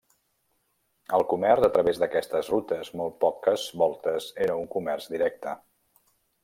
El comerç a través d'aquestes rutes molt poques voltes era un comerç directe.